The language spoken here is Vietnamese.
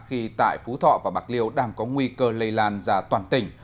khi tại phú thọ và bạc liêu đang có nguy cơ lây lan ra toàn tỉnh